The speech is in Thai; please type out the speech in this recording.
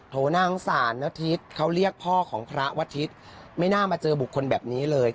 นางสาวนทิศเขาเรียกพ่อของพระวทิศไม่น่ามาเจอบุคคลแบบนี้เลย